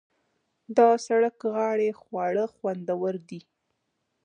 د سړک غاړې خواړه خوندور دي.